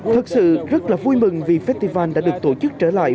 thật sự rất là vui mừng vì festival đã được tổ chức trở lại